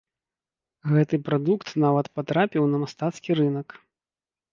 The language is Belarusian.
Гэты прадукт нават патрапіў на мастацкі рынак.